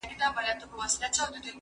د توري ټپ جوړیږي د ژبي ټپ نه جوړیږي.